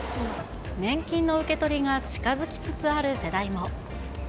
年金の受け取りが近づきつつある世代も。